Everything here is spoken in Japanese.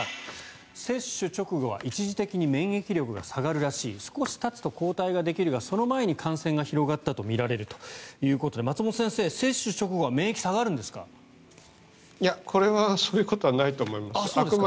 接種直後は一時的に免疫力が下がるらしい少したつと抗体ができるがその前に感染が広がったとみられるということで松本先生、接種直後は免疫が下がるんですか？